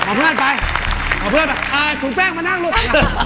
หมอเพื่อนไปหมอเพื่อนไปสุงแป้งมานั่งลุง